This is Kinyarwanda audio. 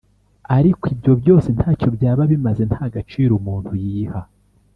ariko ibyo byose ntacyo byaba bimaze ntagaciro umuntu yiha